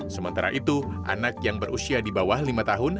sementara itu anak yang berusia di bawah lima tahun